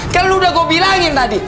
kan lo udah gue bilangin tadi